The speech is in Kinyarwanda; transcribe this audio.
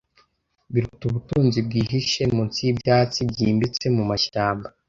biruta ubutunzi bwihishe munsi yibyatsi byimbitse mumashyamba